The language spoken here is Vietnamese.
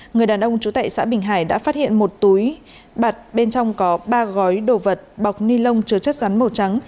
người đàn ông trú tại xã bình hải đã phát hiện một túi bặt bên trong có ba gói đồ vật bọc ni lông chứa chất rắn màu trắng